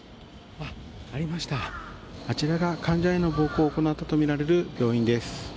あちらが患者への暴行を行ったとみられる病院です。